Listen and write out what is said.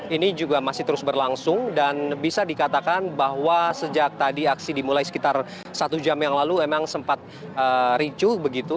ini juga masih terus berlangsung dan bisa dikatakan bahwa sejak tadi aksi dimulai sekitar satu jam yang lalu memang sempat ricu begitu